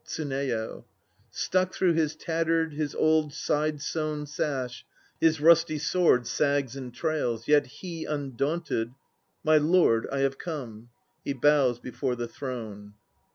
TSUNEYO. Stuck through his tattered, his old side sewn sash, His rusty sword sags and trails, yet he undaunted, "My Lord, I have come." (He bows before the Throne.)